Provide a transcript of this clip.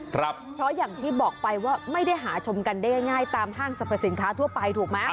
เพราะอย่างที่บอกไปว่าไม่ได้หาชมกันได้ง่ายตามห้างสรรพสินค้าทั่วไปถูกไหม